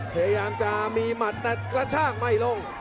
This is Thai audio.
พยายามจะมีมัดนัดกลัดช่างไม่ลง